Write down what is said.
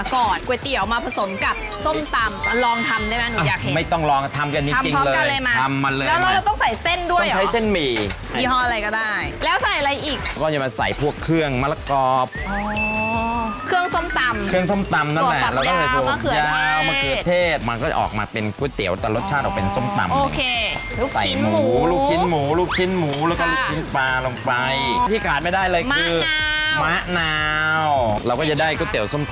ก๋วยเตี๋ยวส้มตำเสร็จแล้วนี่แหละโอ้โฮ